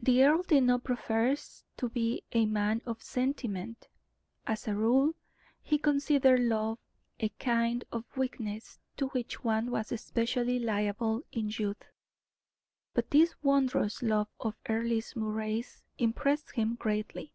The earl did not profess to be a man of sentiment. As a rule, he considered love a kind of weakness to which one was especially liable in youth, but this wondrous love of Earle Moray's impressed him greatly.